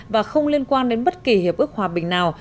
và không liên quan đến bất kỳ hiệp ước hòa bình nào